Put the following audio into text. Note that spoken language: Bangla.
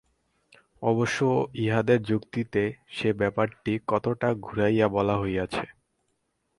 অবশ্য ইহাদের যুক্তিতে সে ব্যাপারটি কতকটা ঘুরাইয়া বলা হইয়াছে।